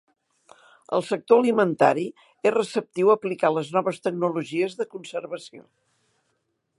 El sector alimentari és receptiu a aplicar les noves tecnologies de conservació.